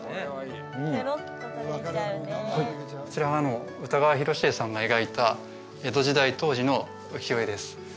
こちらが歌川広重さんが描いた江戸時代当時の浮世絵です